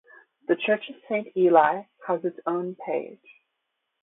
The Church of Saint Elli has its own page.